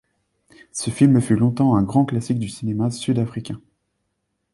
Ce film fut longtemps un grand classique du cinéma sud-africain.